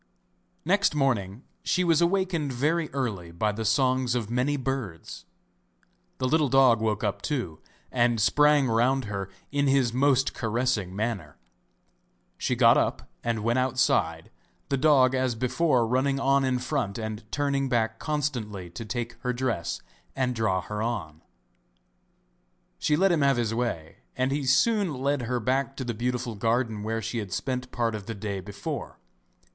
Next morning she was awakened very early by the songs of many birds. The little dog woke up too, and sprang round her in his most caressing manner. She got up and went outside, the dog as before running on in front and turning back constantly to take her dress and draw her on. She let him have his way and he soon led her back to the beautiful garden where she had spent part of the day before.